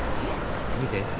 見て。